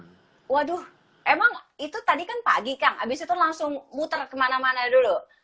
waduh emang itu tadi kan pagi kang abis itu langsung muter kemana mana dulu